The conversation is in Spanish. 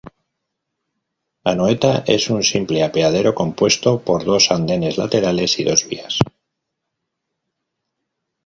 Anoeta es un simple apeadero compuesto por dos andenes laterales y dos vías.